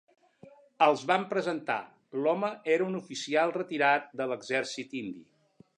Els van presentar, l'home era un oficial retirat de l'exèrcit indi.